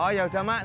oh ya udah mak